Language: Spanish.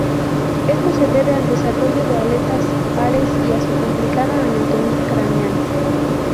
Esto se debe al desarrollo de aletas pares, y a su complicada anatomía craneal.